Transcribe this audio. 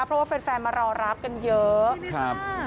เพราะว่าแฟนมารอรับกันเยอะครับ